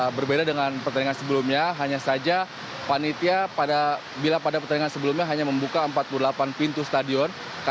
berbeda dengan pertandingan sebelumnya hanya saja panitia bila pada pertandingan sebelumnya hanya membuka empat puluh delapan pintu stadion